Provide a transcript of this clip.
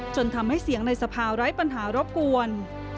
จนทำให้เสียงในสภาไร้ปัญหารบกวน